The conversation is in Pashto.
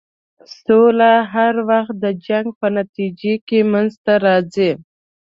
سوله هر وخت د جنګ په نتیجه کې منځته راځي.